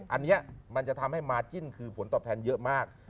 อันนี้มันจะทำให้มาจิ้นคือผลตอบแทนเยอะมาก